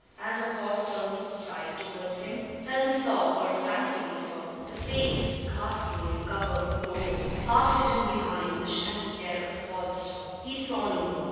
As the horse turned side towards him, Phelim saw, or fancied he saw, the face ghastly and covered with gore half hidden behind the shaggy hair of the holster! He saw no more.